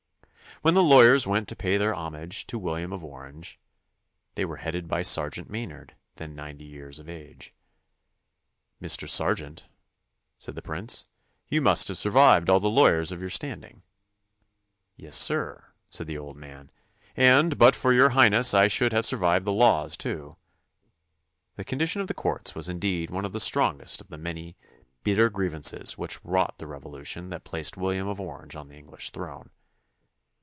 When the lawyers went to pay their homage to William of Orange, they were headed by Sergeant Maynard, then ninety years of age. "Mr. Sergeant," said the prince, "you must have survived all the lawyers of your standing." "Yes, sir," said the old man, "and, but for Your Highness, I should have sur vived the laws too." The condition of the courts was indeed one of the strongest of the many bitter griev ances which wrought the Revolution that placed William of Orange on the English thi'one.